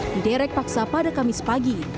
diderek paksa pada kamis pagi